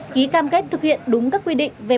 ký cam kết thực hiện đúng các quy định về